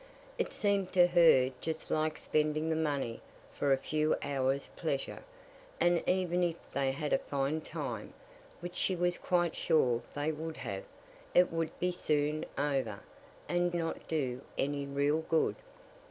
It seemed to her just like spending the money for a few hours' pleasure; and even if they had a fine time, which she was quite sure they would have, it would be soon over, and not do any real good.